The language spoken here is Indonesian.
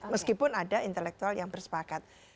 meskipun ada intelektual yang bersepakat